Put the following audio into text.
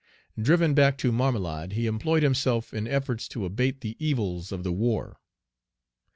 Driven back to Marmelade, he employed himself in efforts to abate the evils of the war.